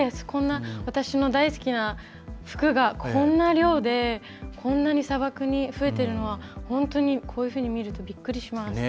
こんな、私の大好きな服がこんな量でこんなに砂漠に増えてるのは本当に、こういうふうに見るとびっくりします。